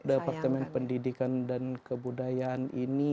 departemen pendidikan dan kebudayaan ini